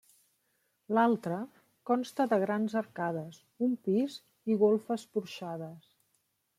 L'altre, consta de grans arcades, un pis i golfes porxades.